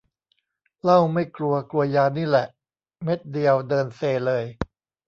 เหล้าไม่กลัว กลัวยานี่แหละ เม็ดเดียวเดินเซเลย